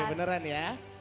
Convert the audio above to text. oke beneran ya